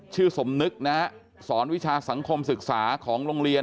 สมนึกนะฮะสอนวิชาสังคมศึกษาของโรงเรียน